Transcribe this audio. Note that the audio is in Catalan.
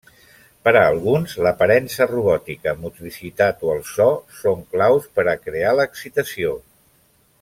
Per a alguns, l'aparença robòtica, motricitat o el so, són claus per a crear l'excitació.